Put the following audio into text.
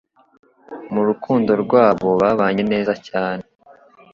Mu rukundo rwabo babanye neza cyane